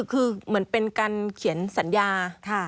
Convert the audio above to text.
คือเหมือนเป็นการเขียนสัญญา